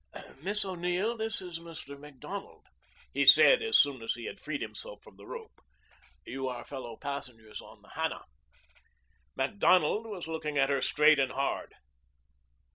"Miss O'Neill, this is Mr. Macdonald," he said, as soon as he had freed himself from the rope. "You are fellow passengers on the Hannah." Macdonald was looking at her straight and hard.